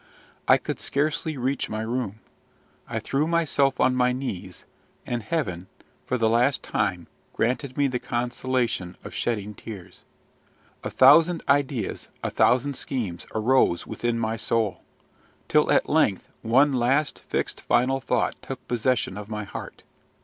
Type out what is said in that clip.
I could scarcely reach my room. I threw myself on my knees; and Heaven, for the last time, granted me the consolation of shedding tears. A thousand ideas, a thousand schemes, arose within my soul; till at length one last, fixed, final thought took possession of my heart.